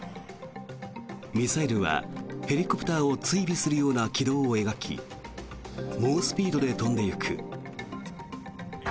ミサイルはヘリコプターを追尾するような軌道を描き猛スピードで飛んでいく。